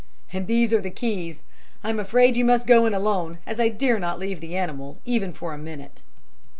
"And these are the keys. I'm afraid you must go in alone, as I dare not leave the animal even for a minute."